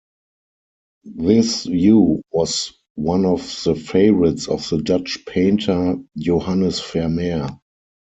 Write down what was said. This hue was one of the favorites of the Dutch painter Johannes Vermeer.